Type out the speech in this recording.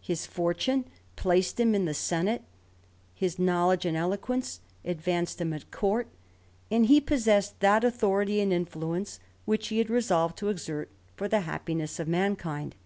His fortune placed him in the senate, his knowledge and eloquence advanced him at court, and he possessed that authority and influence which he had resolved to exert for the happiness of mankind.